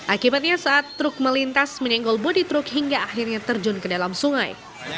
akibatnya saat truk melintas menyenggol bodi truk hingga akhirnya terjun ke dalam sungai